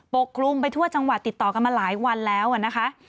กคลุมไปทั่วจังหวัดติดต่อกันมาหลายวันแล้วนะคะ